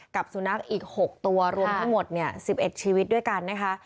กับสุนัขอีกหกตัวรวมทั้งหมดเนี่ยสิบเอ็ดชีวิตด้วยกันนะคะ